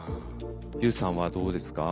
Ｕさんはどうですか？